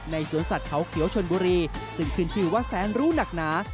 สวนสัตว์เขาเขียวชนบุรีซึ่งขึ้นชื่อว่าแสนรู้หนักหนา